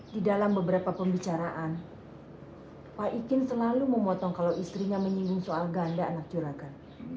di dalam beberapa pembicaraan pak ikin selalu memotong kalau istrinya menyinggung soal ganda anak curakan